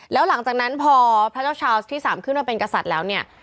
แล้วหลังจากนั้นพอพระเจ้าชาวที่๓ขึ้นมาเป็นกษัตริย์แล้วเนี่ย